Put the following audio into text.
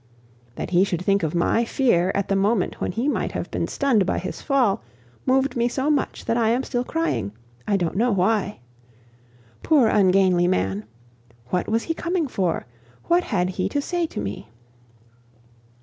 That he should think of my fear at the moment when he must have been stunned by his fall, moved me so much that I am still crying; I don't know why. Poor ungainly man! what was he coming for? what had he to say to me?